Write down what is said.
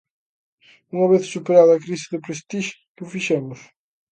Unha vez superada a crise do Prestige, ¿que fixemos?